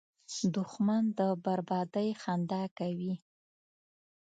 دښمن د بربادۍ خندا کوي